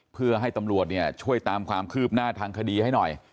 เพื่อให้ตำรวจเนี่ยช่วยตามความคืบหน้าทางคดีให้หน่อย